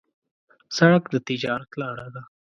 سړک د تجارت لاره ده.